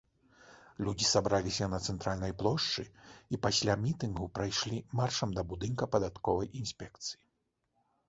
Людзі сабраліся на цэнтральнай плошчы і пасля мітынгу прайшлі маршам да будынка падатковай інспекцыі.